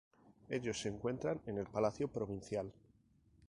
Ellos se encuentran en el Palacio Provincial".